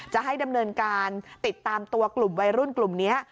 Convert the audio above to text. จะให้ดำเนินการติดตามตัวกลุ่มวัยรุ่นกลุ่มนี้